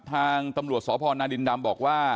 ทางตำรวจสพนาดินดำบอกว่า